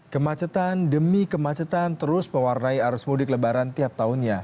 kemacetan demi kemacetan terus mewarnai arus mudik lebaran tiap tahunnya